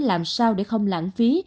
làm sao để không lãng phí